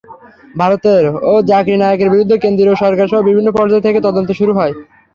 ভারতেও জাকির নায়েকের বিরুদ্ধে কেন্দ্রীয় সরকারসহ বিভিন্ন পর্যায় থেকে তদন্ত শুরু হয়।